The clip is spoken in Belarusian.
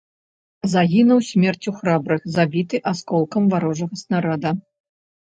Загінуў смерцю храбрых, забіты асколкам варожага снарада.